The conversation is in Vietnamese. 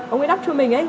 ông ấy đắp cho mình